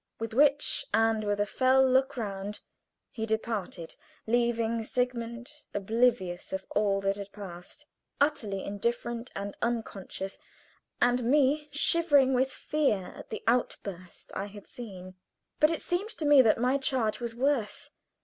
With which, and with a fell look around, he departed, leaving Sigmund oblivious of all that had passed, utterly indifferent and unconscious, and me shivering with fear at the outburst I had seen. But it seemed to me that my charge was worse.